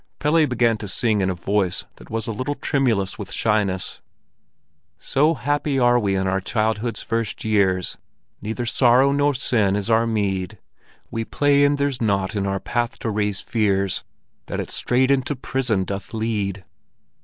Pelle began to sing in a voice that was a little tremulous with shyness— "So happy are we in our childhood's first years, Neither sorrow nor sin is our mead; We play, and there's nought in our path to raise fears That it straight into prison doth lead.